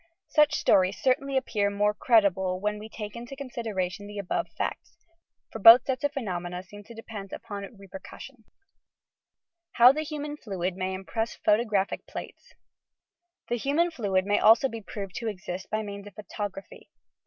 Such stories certainly appear more credible, when we take into consideration the above facts, for both sets of phenomena seem to depend upon "repercussion." YOUR PSYCHIC POWERS HOW THE HUMAN FLUID MAT IMPRESS PHOTOGRAPHIC PLATES 4 The human fluid may also be proved to exist by means of photography.